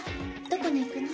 どこに行くの？